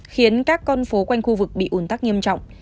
khiến các con phố quanh khu vực bị ủn tắc nghiêm trọng